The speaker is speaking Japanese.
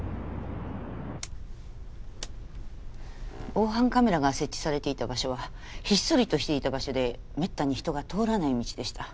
防犯カメラが設置されていた場所はひっそりとしていた場所でめったに人が通らない道でした。